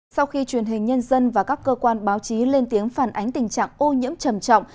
sau khi truyền hình nhân dân và các cơ quan báo chí lên tiếng phản ánh tình trạng ô nhiễm trầm trọng